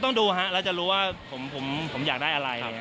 ต้องดูฮะแล้วจะรู้ว่าผมอยากได้อะไร